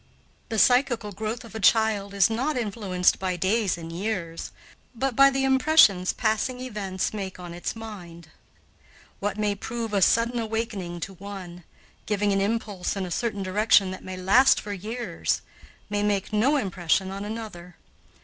The psychical growth of a child is not influenced by days and years, but by the impressions passing events make on its mind. What may prove a sudden awakening to one, giving an impulse in a certain direction that may last for years, may make no impression on another.